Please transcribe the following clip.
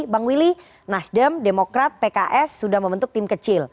bang willy nasdem demokrat pks sudah membentuk tim kecil